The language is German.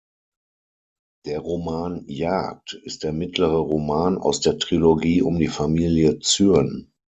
Der Roman "Jagd" ist der mittlere Roman aus der Trilogie um die Familie Zürn.